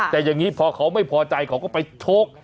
แต่อย่างนี้พอเขาไม่พอใจเขาก็ไปชก